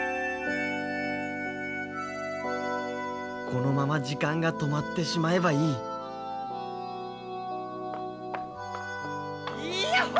このまま時間が止まってしまえばいいいやっほ！